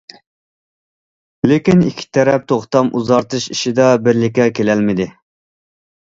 لېكىن ئىككى تەرەپ توختام ئۇزارتىش ئىشىدا بىرلىككە كېلەلمىدى.